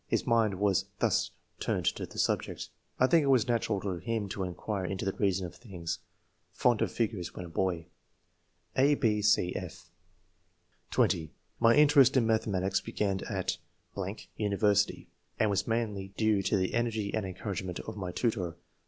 ^ His mind was thus turned to the subject. I think it was natural to him to inquire into the reason of things. Fond of figures when a boy." (a, 6, c, /) (20) " My interest in mathematics began at .... [universit)^], and was mainly due to the energy and encouragement of my tutor